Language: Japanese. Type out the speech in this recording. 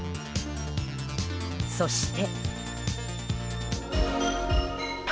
そして。